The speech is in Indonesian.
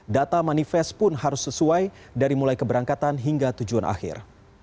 data manifest pun harus sesuai dari mulai keberangkatan hingga tujuan akhir